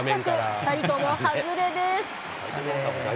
２人とも外れです。